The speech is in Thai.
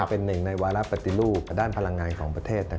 เป็นหนึ่งในวาระปฏิรูปด้านพลังงานของประเทศ